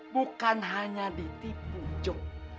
bukan hanya ditipu jok